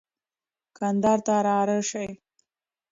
کندهار ته را رهي شه.